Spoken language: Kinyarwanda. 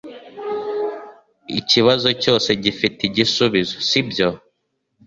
Ikibazo cyose gifite igisubizo sibyo